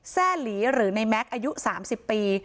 แซ่หลีหรือในแม็กซ์อายุ๓๐ปี